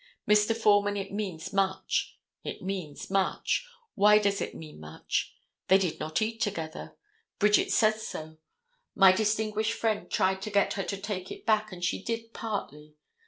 Mr. Foreman, it means much. It means much. Why does it mean much? They did not eat together. Bridget says so. My distinguished friend tried to get her to take it back, and she did partly.